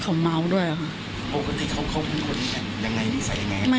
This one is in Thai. เขาเมาด้วยค่ะปกติเขาเขาเป็นคนยังไงนิสัยยังไง